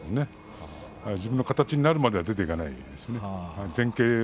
自分の形になるまでは出ていきません。